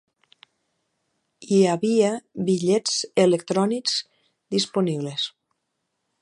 Hi havia bitllets electrònics disponibles.